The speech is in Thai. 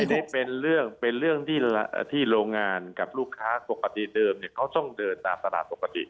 อันนี้เป็นเรื่องที่โรงงานกับลูกค้าปกติเดิมเนี่ยเขาต้องเดินตามสถานปกติ